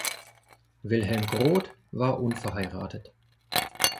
Wilhelm Groth war unverheiratet.